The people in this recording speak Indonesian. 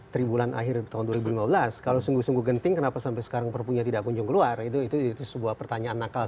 tribulan akhir tahun dua ribu lima belas kalau sungguh sungguh genting kenapa sampai sekarang perpunya tidak kunjung keluar itu sebuah pertanyaan nakal